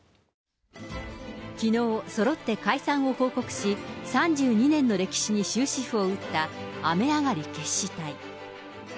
きのう、そろって解散を報告し、３２年の歴史に終止符を打った雨上がり決死隊。